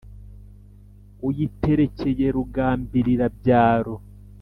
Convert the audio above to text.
Uyiterekeye Rugambirira-byaro